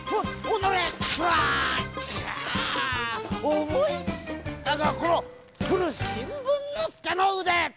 おもいしったかこのふるしんぶんのすけのうで！